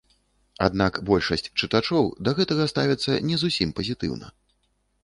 Аднак большасць чытачоў да гэтага ставяцца не зусім пазітыўна.